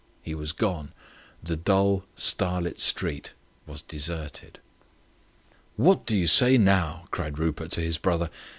He was gone. The dull, starlit street was deserted. "What do you say now?" cried Rupert to his brother.